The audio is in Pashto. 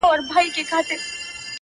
• نوم یې ولي لا اشرف المخلوقات دی؟ ,